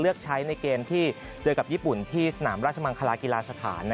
เลือกใช้ในเกมที่เจอกับญี่ปุ่นที่สนามราชมังคลากีฬาสถาน